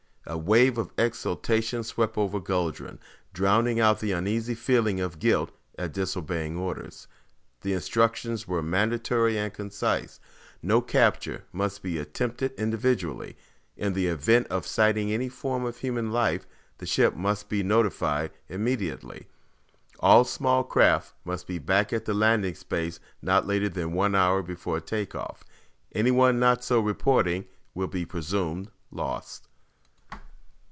A wave of exultation swept over Guldran, drowning out the uneasy feeling of guilt at disobeying orders. The instructions were mandatory and concise: "No capture must be attempted individually. In the event of sighting any form of human life, the ship MUST be notified immediately. All small craft must be back at the landing space not later than one hour before take off. Anyone not so reporting will be presumed lost."